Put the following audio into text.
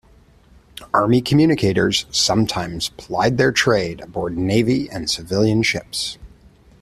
Army communicators sometimes plied their trade aboard Navy and civilian ships.